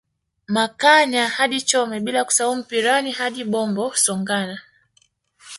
Makanya hadi Chome bila kusahau Mpirani hadi Bombo Songana